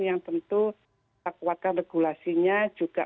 yang tentu kita kuatkan regulasinya juga